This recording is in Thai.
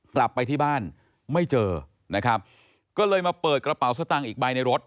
กลับไปที่บ้านไม่เจอนะครับก็เลยมาเปิดกระเป๋าสตางค์อีกใบในรถ